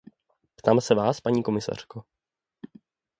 Ptám se vás, paní komisařko.